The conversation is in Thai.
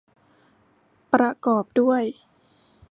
ประกอบด้วย